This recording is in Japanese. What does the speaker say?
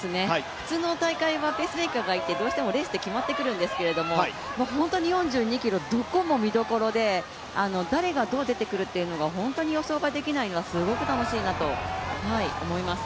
普通の大会はペースメーカーがいて、どうしてもレースって決まってくるんですけど、本当に４２ｋｍ、どこも見どころで誰がどう出てくるか分からないのがすごく楽しいなと思います。